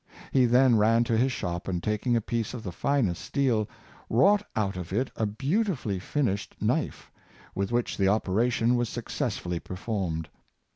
He then ran to his shop, and taking a piece of the finest steel, wrought out of it a beautifully finished knife, with which the operation was successfully per formed.